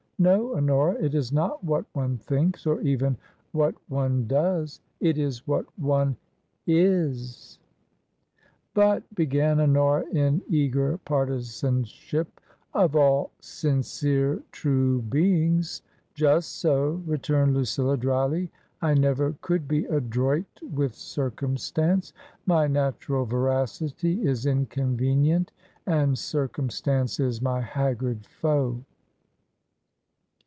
No, Honora ! It is not what one thinks, or even what one does ; it is what one is /"" But," began Honora in eager partisanship, " of all sincere, true beings "" Just so," returned Lucilla, drily, " I never could be adroit with circumstance. My natural veracity is in convenient, and circumstance is my haggard foe."